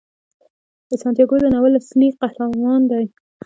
سانتیاګو د ناول اصلي قهرمان دی.